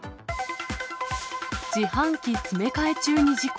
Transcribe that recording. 自販機詰め替え中に事故。